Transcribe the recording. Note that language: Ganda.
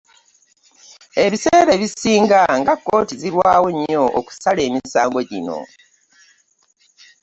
Ebiseera ebisinga nga kkooti zirwawo nnyo okusala emisango gino.